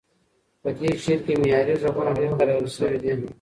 په دې شعر کې معیاري غږونه ډېر کارول شوي دي.